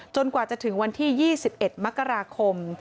กว่าจะถึงวันที่๒๑มกราคม